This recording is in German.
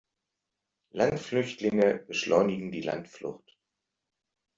Landflüchtlinge beschleunigen die Landflucht.